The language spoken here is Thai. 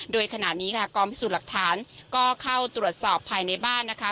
โดยขณะนี้ค่ะกองพิสูจน์หลักฐานก็เข้าตรวจสอบภายในบ้านนะคะ